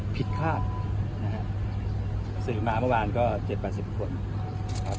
ดิขาดศึกษามาเมื่อวานก็เจ็ดปวดสิบผลครับ